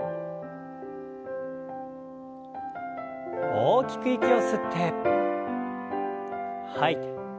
大きく息を吸って吐いて。